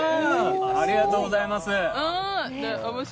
ありがとうございます。